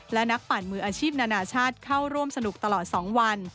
และนักปั่นมืออาชีพนานาชาติเข้าร่วมสนุกตลอด๒วัน